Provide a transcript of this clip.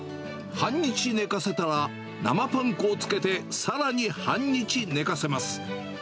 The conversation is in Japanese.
半日寝かせたら、生パン粉をつけて、さらに半日寝かせます。